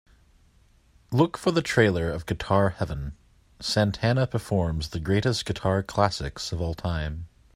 Look for the trailer of Guitar Heaven: Santana Performs the Greatest Guitar Classics of All Time